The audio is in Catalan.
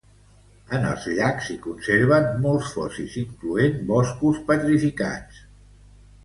En els llacs s'hi conserven molts fòssils incloent boscos petrificats.